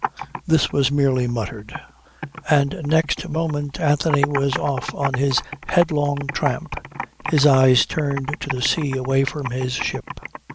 This was merely muttered; and next moment Anthony was off on his headlong tramp his eyes turned to the sea away from his ship.